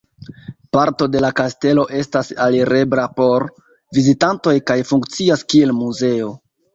Parto de la kastelo estas alirebla por vizitantoj kaj funkcias kiel muzeo.